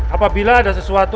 apabila ada sesuatu